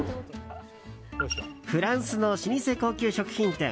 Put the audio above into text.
フランスの老舗高級食品店。